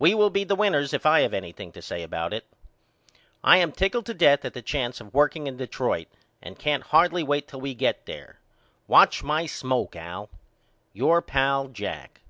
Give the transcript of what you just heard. We will be the winners if I have anything to say about it. I am tickled to death at the chance of working in Detroit and I can't hardly wait till we get there. Watch my smoke Al. Your pal, JACK.